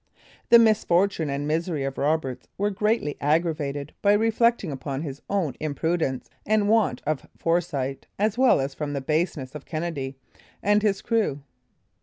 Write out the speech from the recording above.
The misfortune and misery of Roberts were greatly aggravated by reflecting upon his own imprudence and want of foresight, as well as from the baseness of Kennedy and his crew.